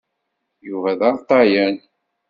Yuba d aṛṭayan.